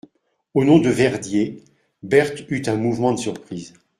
Au nom de Verdier, Berthe eut un mouvement de surprise.